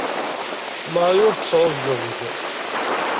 Marie ur tesɛuẓẓug.